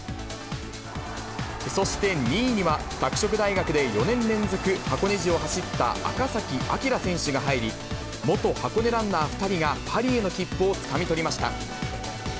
そして２位には、拓殖大学で４年連続箱根路を走った赤崎暁選手が入り、元箱根ランナー２人がパリへの切符をつかみ取りました。